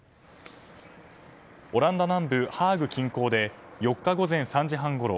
オランダ南部ハーグ近郊で４日午前３時半ごろ